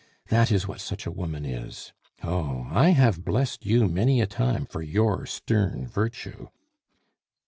That is what such a woman is. Oh, I have blessed you many a time for your stern virtue."